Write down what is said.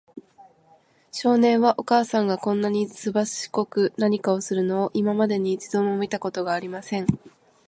少年は、お母さんがこんなにすばしこく何かするのを、今までに一度も見たことがありません。